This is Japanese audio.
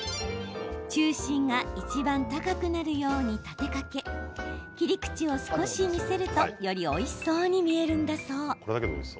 中心がいちばん高くなるように立てかけ切り口を少し見せるとよりおいしそうに見えるんだそう。